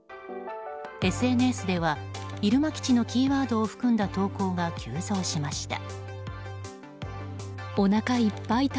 ＳＮＳでは入間基地のキーワードを含んだ投稿が急増しました。